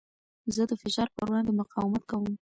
زه د فشار په وړاندې مقاومت کوم.